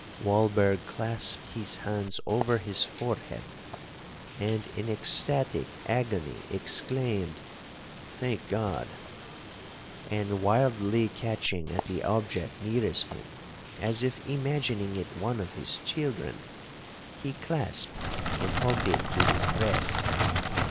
Walberg clasped his hands over his forehead, and in ecstatic agony exclaimed,—'Thank God!' and wildly catching at the object nearest him, as if imagining it one of his children, he clasped and hugged it to his breast.